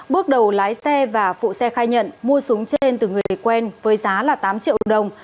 bước đầu lái xe và phụ xe khai nhận mua súng trên từ người quen với giá tám triệu đồng